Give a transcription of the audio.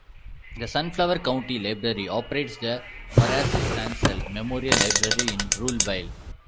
The Sunflower County Library operates the Horace Stansel Memorial Library in Ruleville.